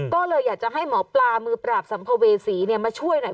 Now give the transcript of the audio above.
ก็เลยอยากจะให้หมอปลามือปราบสัมภเวษีมาช่วยหน่อย